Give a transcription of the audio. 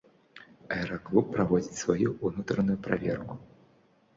Аэраклуб праводзіць сваю ўнутраную праверку.